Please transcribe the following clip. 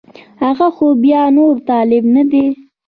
هغه خو بیا نور طالب نه دی